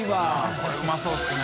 これうまそうですね。